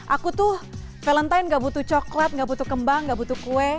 aku tuh valentine gak butuh coklat gak butuh kembang gak butuh kue